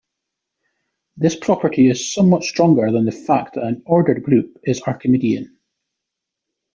This property is somewhat stronger than the fact that an ordered group is Archimedean.